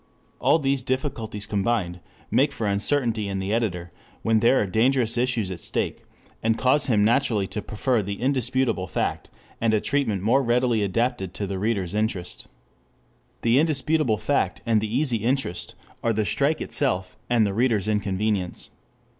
All these difficulties combined make for uncertainty in the editor when there are dangerous issues at stake, and cause him naturally to prefer the indisputable fact and a treatment more readily adapted to the reader's interest. The indisputable fact and the easy interest, are the strike itself and the reader's inconvenience.